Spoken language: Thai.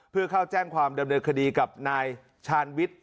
เพื่อเข้าแจ้งความดำเนินคดีกับนายชาญวิทย์